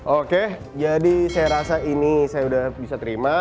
oke jadi saya rasa ini saya sudah bisa terima